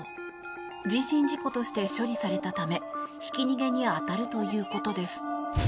人身事故として処理されたためひき逃げに当たるということです。